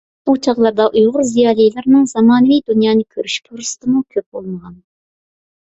ئۇ چاغلاردا ئۇيغۇر زىيالىيلىرىنىڭ زامانىۋى دۇنيانى كۆرۈش پۇرسىتىمۇ كۆپ بولمىغان.